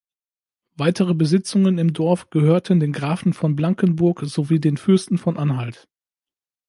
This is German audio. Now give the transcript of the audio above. Weitere Besitzungen im Dorf gehörten den Grafen von Blankenburg sowie den Fürsten von Anhalt.